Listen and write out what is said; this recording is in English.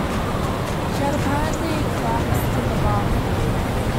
She had apparently collapsed in a bathroom.